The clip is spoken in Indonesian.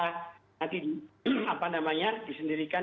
nanti apa namanya disendirikan